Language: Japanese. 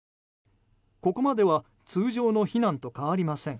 ここまでは通常の避難と変わりません。